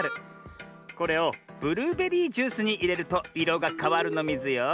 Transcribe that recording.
これをブルーベリージュースにいれるといろがかわるのミズよ。